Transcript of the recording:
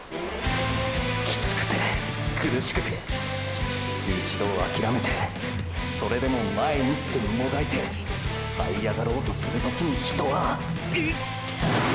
キツくて苦しくて一度あきらめてそれでも前にってもがいてはいあがろうとする時に人はーーぅ！！